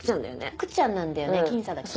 福ちゃんなんだよね僅差だけど。